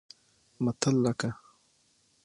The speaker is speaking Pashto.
متل لکه